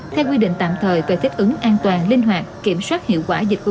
theo quy định tạm thời về thiết ứng an toàn linh hoạt kiểm soát hiệu quả